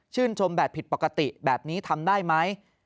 ชมแบบผิดปกติแบบนี้ทำได้ไหม